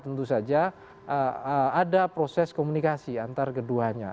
dan kita berharap tentu saja ada proses komunikasi antar keduanya